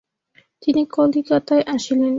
তিনি কলিকাতায় আসিলেন।